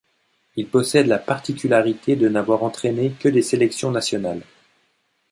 Il possède la particularité de n'avoir entraîné que des sélections nationales.